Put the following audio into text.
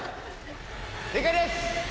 正解です！